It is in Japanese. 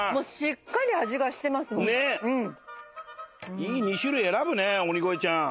いい２種類選ぶね鬼越ちゃん。